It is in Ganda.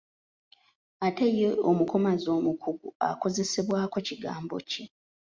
Ate ye omukomazi omukugu akozesebwako kigambo ki?